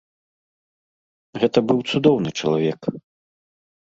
Гэта быў цудоўны чалавек.